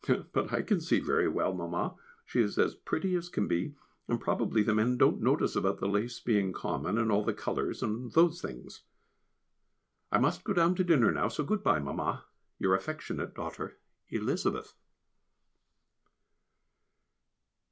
But I can see very well, Mamma, she is as pretty as can be, and probably the men don't notice about the lace being common, and all the colours, and those things. I must go down to dinner now, so good bye, dear Mamma. Your affectionate daughter, Elizabeth.